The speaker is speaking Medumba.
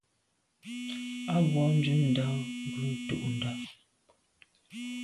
A bwô ndù ndà ghù ntôndà.